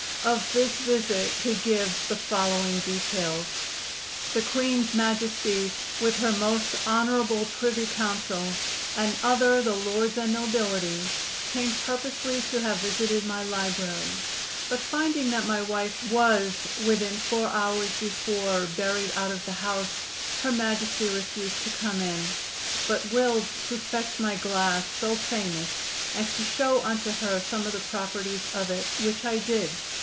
Of this visit he gives the following details: The Queen's Majestie, with her most honorable Privy Council, and other the Lords and Nobility, came purposely to have visited my library: but finding that my wife was within four hours before buried out of the house, her Majestie refused to come in; but willed to fetch my glass so famous, and to show unto her some of the properties of it, which I did.